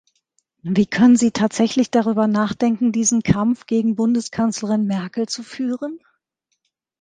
Wie können sie tatsächlich darüber nachdenken, diesen Kampf gegen Bundeskanzlerin Merkel zu führen?